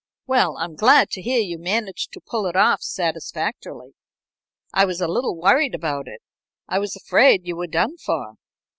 "Well, I'm glad to hear you managed to pull it off satisfactorily. I was a little worried about it. I was afraid you were done for."